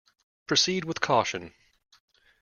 Proceed with caution.